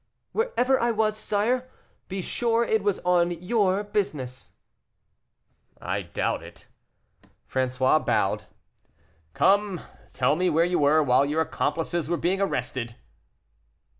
"Wherever I was, sire, be sure it was on your business." "I doubt it." François bowed. "Come, tell me where you were while your accomplices were being arrested."